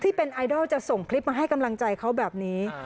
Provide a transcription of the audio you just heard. เป็นไอดอลจะส่งคลิปมาให้กำลังใจเขาแบบนี้